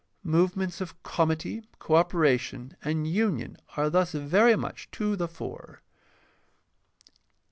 Movements of comity, co operation, and union are thus very much to the fore.